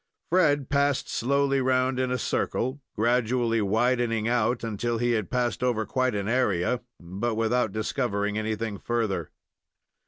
Fred passed slowly round in a circle, gradually widening out, until he had passed over quite an area, but without discovering anything further.